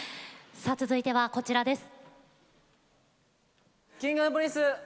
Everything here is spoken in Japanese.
続いてはこちらです。